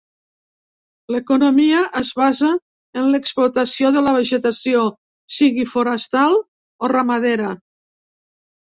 L'economia es basa en l'explotació de la vegetació, sigui forestal o ramadera.